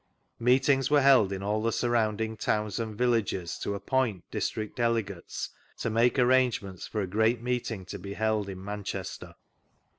Meetings were held in all the surrounding towns and villages to ^^int district delegates to make arrangements for a great meeting to be held in Manchester.